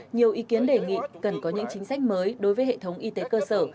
nhiều ý kiến đề nghị cần có những chính sách mới đối với hệ thống y tế cơ sở